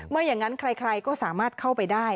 ไม่อย่างนั้นใครก็สามารถเข้าไปได้